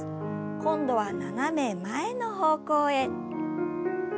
今度は斜め前の方向へ。